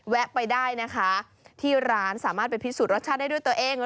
แวะไปได้นะคะที่ร้านสามารถไปพิสูจนรสชาติได้ด้วยตัวเอง